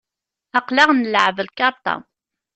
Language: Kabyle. Aql-aɣ nleεεeb lkarṭa.